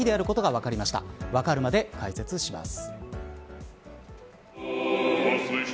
わかるまで解説します。